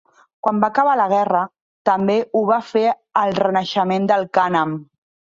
Quan va acabar la guerra, també ho va fer el renaixement del cànem.